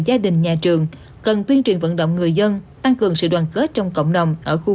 gia đình nhà trường cần tuyên truyền vận động người dân tăng cường sự đoàn kết trong cộng đồng ở khu